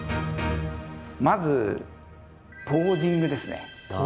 まずポージングですね。